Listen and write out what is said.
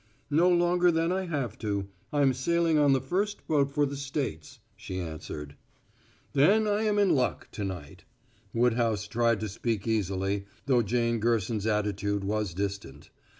"No longer than I have to. I'm sailing on the first boat for the States," she answered. "Then I am in luck to night." Woodhouse tried to speak easily, though Jane Gerson's attitude was distant.